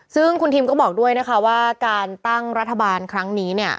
ซึ่งคุณทิมก็บอกด้วยนะคะว่าการตั้งรัฐบาลครั้งนี้เนี่ย